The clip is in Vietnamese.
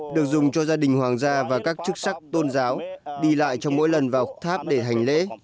được dùng cho gia đình hoàng gia và các chức sắc tôn giáo đi lại trong mỗi lần vào tháp để hành lễ